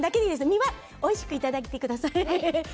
実はおいしくいただいてください。